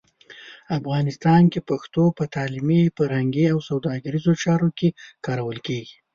افغانستان کې پښتو په تعلیمي، فرهنګي او سوداګریزو چارو کې کارول کېږي.